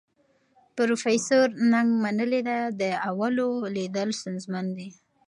پروفیسور نګ منلې ده، د اولو لیدل ستونزمن دي.